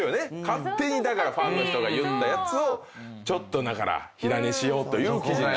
勝手にだからファンの人が言ったやつをちょっと火種にしようという記事に。